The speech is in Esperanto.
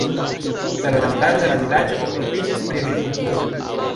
La loĝantaro de la vilaĝo okupiĝas pri agrikulturo.